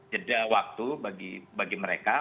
jeda waktu bagi mereka